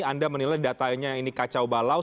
anda menilai datanya ini kacau balau